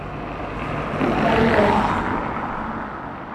pour qu'elle pêche.